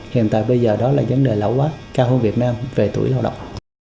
hiện tại bây giờ đó là vấn đề lão quá cao hơn việt nam về tuổi lao động